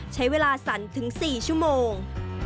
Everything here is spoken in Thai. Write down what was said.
ใช้เวลาสั่นถึง๔ชั่วโมง